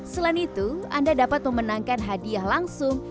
selain itu anda dapat memenangkan hadiah langsung